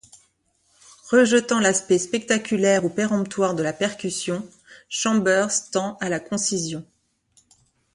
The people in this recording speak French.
Rejetant l'aspect spectaculaire ou péremptoire de la percussion, Chambers tend à la concision.